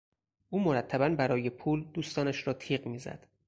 او مرتبا برای پول دوستانش را تیغ میزد.